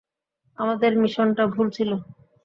আমাদের মিশনটা ভুল ছিল।